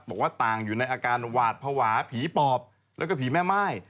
บอกว่าต่างอยู่ในอาการหวาดภาวะผีปอบแล้วก็ผีแม่ม่าย